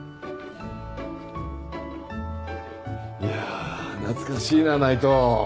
いやあ懐かしいな内藤。